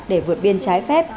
để vượt biên trái phép